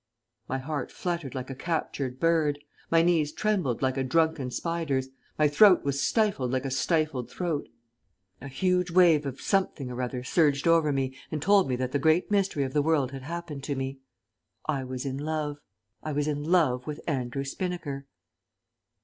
My heart fluttered like a captured bird; my knees trembled like a drunken spider's; my throat was stifled like a stifled throat. A huge wave of something or other surged over me and told me that the great mystery of the world had happened to me. I was in love. I was in love with Andrew Spinnaker.